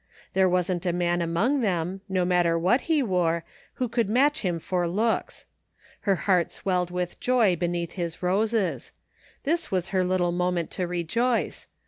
There wasn't a man among them, no matter what he wore, who could match him for looks. Her heart swelled with joy beneath his roses. This was her little moment to rejoice.